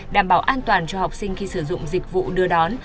đảm bảo an toàn cho học sinh khi sử dụng dịch vụ đưa đón